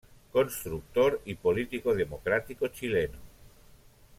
Constructor y político democrático chileno.